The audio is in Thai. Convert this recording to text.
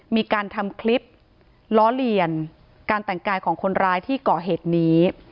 มีการทำคลิปล้อเลียนการแต่งกายของคนร้ายที่ก่อเหตุนี้